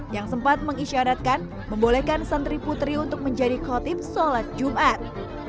yang sempat mengisyaratkan membolehkan santri putri untuk menjadi khotib sholat jumat